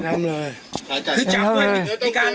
ใช้จับแข้ง